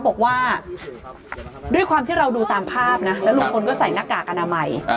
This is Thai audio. บอกว่าด้วยความที่เราดูตามภาพนะแล้วลุงพลก็ใส่หน้ากากอนามัย